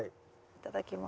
いただきます。